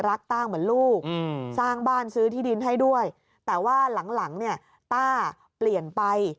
ต้าเหมือนลูกสร้างบ้านซื้อที่ดินให้ด้วยแต่ว่าหลังเนี่ยต้าเปลี่ยนไป